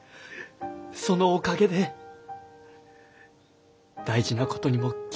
そのおかげで大事なことにも気付かされたんです。